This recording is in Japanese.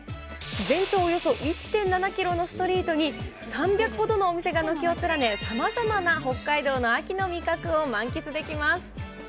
全長およそ１．７キロのストリートに、３００ほどのお店が軒を連ね、さまざまな北海道の秋の味覚を満喫できます。